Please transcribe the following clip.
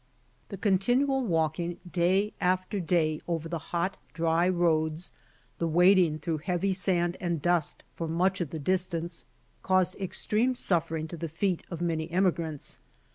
The continual walking day after day over the hot, dry roads, the wading through heavy sand and dust for much of the distance, caused extreme suffer ing to the feet of many emigrants.